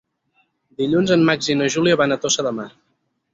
Dilluns en Max i na Júlia van a Tossa de Mar.